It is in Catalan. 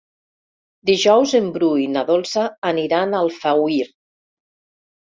Dijous en Bru i na Dolça aniran a Alfauir.